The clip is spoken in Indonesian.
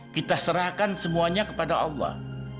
kita serahkan semuanya kepada allah